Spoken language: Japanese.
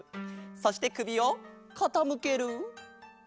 そしてくびをかたむける。